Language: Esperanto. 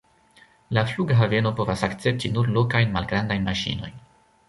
La flughaveno povas akcepti nur lokajn malgrandajn maŝinojn.